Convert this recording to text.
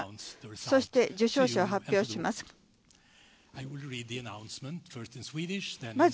そして受賞者を発表します。